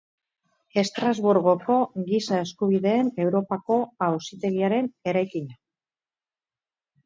Estrasburgoko Giza Eskubideen Europako Auzitegiaren eraikina.